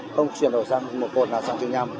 không chuyển đổi sang một cột nào sang chín mươi năm